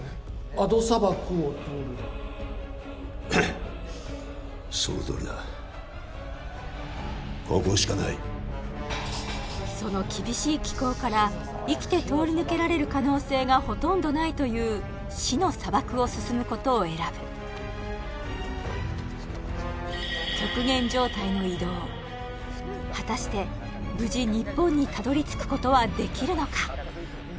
アド砂漠を通ればそのとおりだここしかないその厳しい気候から生きて通り抜けられる可能性がほとんどないという死の砂漠を進むことを選ぶ極限状態の移動果たして無事日本にたどり着くことはできるのか？